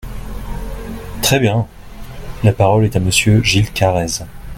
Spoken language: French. Très bien ! La parole est à Monsieur Gilles Carrez.